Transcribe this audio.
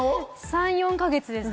３４か月です。